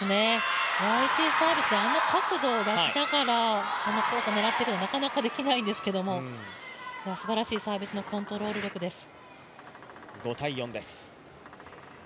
ＹＧサービス、あの角度を出しながら、あのコースを狙っていくのはなかなかできないんですけど、すばらしいサービスのコントロール力です。